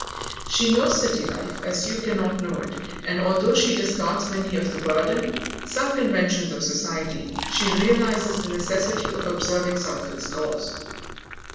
She knows city life as you cannot know it, and, although she discards many of the burden some conventions of society, she realizes the necessity of observing some of its laws.